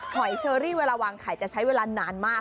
หอยเชอรี่เวลาวางไข่จะใช้เวลานานมาก